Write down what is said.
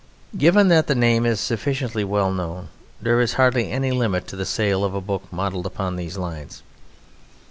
Given that the name is sufficiently well known, there is hardly any limit to the sale of a book modelled upon these lines.